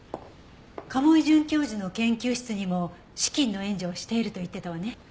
賀茂井准教授の研究室にも資金の援助をしていると言っていたわね。